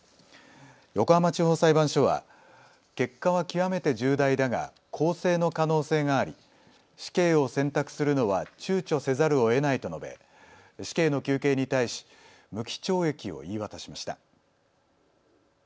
横浜地方裁判所は結果は極めて重大だが更生の可能性があり死刑を選択するのはちゅうちょせざるをえないと述べ死刑の求刑に対し無期懲役を言い渡しました。